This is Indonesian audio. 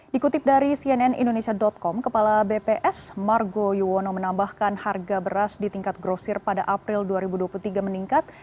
dikutip dari cnn indonesia com kepala bps margo yuwono menambahkan harga beras di tingkat grosir pada april dua ribu dua puluh tiga meningkat